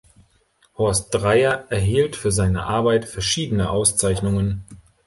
Horst Dreier erhielt für seine Arbeit verschiedene Auszeichnungen.